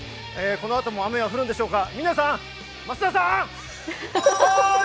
このあとも雨は降るんでしょうか